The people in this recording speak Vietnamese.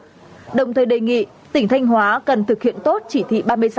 đồng thời đề nghị tỉnh thanh hóa cần thực hiện tốt chỉ thị ba mươi sáu